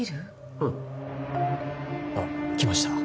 うんあっ来ました